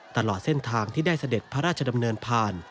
ตลอดเส้นทางที่ได้เสด็จพระราชดำเนินผ่าน